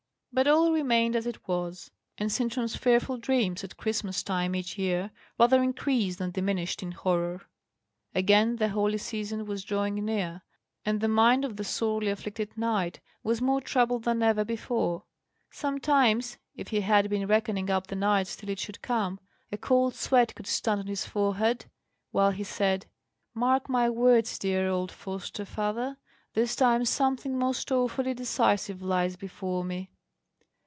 But all remained as it was, and Sintram's fearful dreams at Christmas time each year rather increased than diminished in horror. Again the holy season was drawing near, and the mind of the sorely afflicted knight was more troubled than ever before. Sometimes, if he had been reckoning up the nights till it should come, a cold sweat would stand on his forehead, while he said, "Mark my words, dear old foster father, this time something most awfully decisive lies before me."